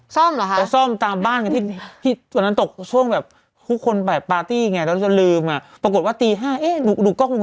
ก็จำมาเป็นชั่ง